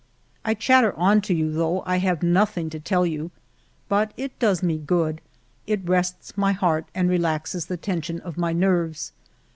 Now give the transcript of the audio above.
" I chatter on to you, though I have nothing to tell you ; but it does me good, — it rests my heart and relaxes the tension of my nerves.